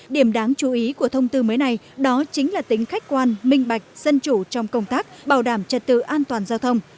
điểm đáng chú ý của thông tư mới này đó chính là tính khách quan minh bạch dân chủ trong công tác bảo đảm trật tự an toàn giao thông